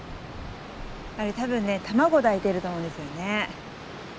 あれ多分ね卵抱いてると思うんですよね。